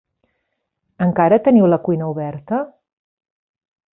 Encara teniu la cuina oberta?